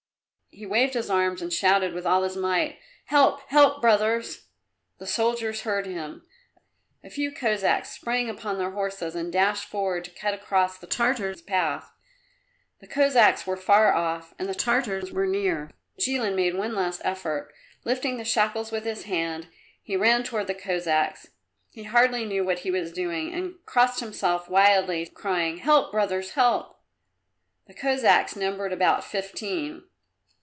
He waved his arms and shouted with all his might, "Help, help, brothers!" The soldiers heard him; a few Cossacks sprang upon their horses and dashed forward to cut across the Tartars' path. The Cossacks were far off and the Tartars were near, but Jilin made one last effort; lifting the shackles with his hand, he ran towards the Cossacks. He hardly knew what he was doing and crossed himself wildly, crying, "Help, brothers, help!" The Cossacks numbered about fifteen.